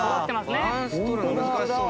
バランス取るの難しそう。